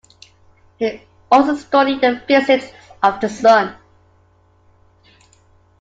He also studied the physics of the sun.